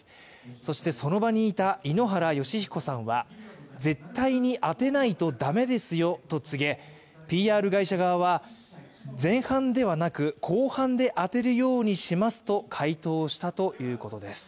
そしてその場にいた井ノ原快彦さんは絶対に当てないと駄目ですよと告げ、ＰＲ会社側は、前半ではなく後半で当てるようにしますと回答したということです。